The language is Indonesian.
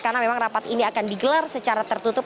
karena memang rapat ini akan digelar secara tertutup